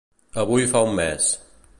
Avui fa un mes.